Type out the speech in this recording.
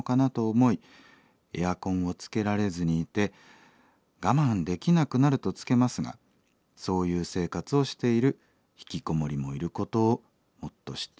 エアコンをつけられずにいて我慢できなくなるとつけますがそういう生活をしているひきこもりもいることをもっと知ってほしいです。